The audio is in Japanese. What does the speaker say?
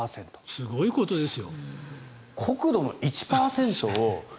すごいことです。